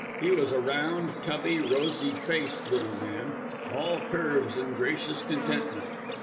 He was a round, tubby, rosy faced little man, all curves and gracious contentment.